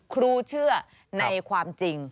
ครูเชื่อในความจริง